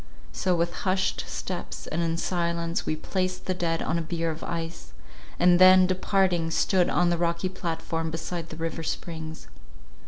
So, with hushed steps and in silence, we placed the dead on a bier of ice, and then, departing, stood on the rocky platform beside the river springs.